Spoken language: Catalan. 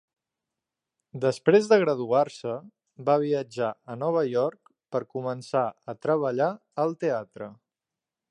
Després de graduar-se, va viatjar a Nova York per començar a treballar al teatre.